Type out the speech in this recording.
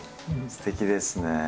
すてきですね。